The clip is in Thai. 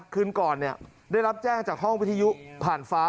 คืนก่อนได้รับแจ้งจากห้องวิทยุผ่านฟ้า